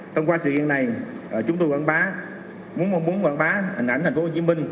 tông qua sự kiện này chúng tôi muốn mong muốn quảng bá hình ảnh thành phố hồ chí minh